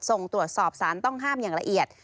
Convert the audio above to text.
ส่งตรวจสอบสารต้องห้ามอย่างละเอียด